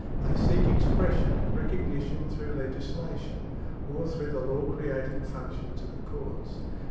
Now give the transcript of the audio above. They seek expression and recognition through legislation, or through the law creating functions of the courts.